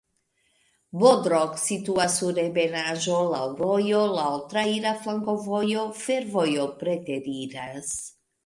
Bodrog situas sur ebenaĵo, laŭ rojo, laŭ traira flankovojo, fervojo preteriras.